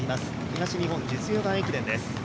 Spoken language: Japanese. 東日本実業団駅伝です。